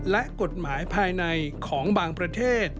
และกฎหมายภายในของบางประเทศ